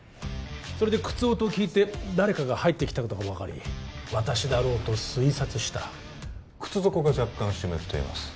それで靴音を聞いて誰かが入ってきたことが分かり私だろうと推察した靴底が若干湿っています